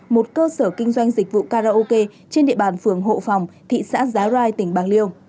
một cơ sở kinh doanh dịch vụ karaoke trên địa bàn phường hộ phòng thị xã giá rai tỉnh bạc liêu